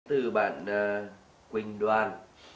từ bạn quỳnh đoàn